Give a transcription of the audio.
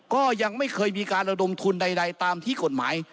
ก็ยังไม่เคยมีการระดมทุนใดตามที่กฎหมาย